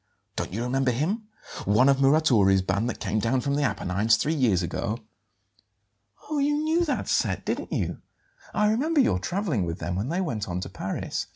Don't you remember him? One of Muratori's band that came down from the Apennines three years ago?" "Oh, you knew that set, didn't you? I remember your travelling with them when they went on to Paris."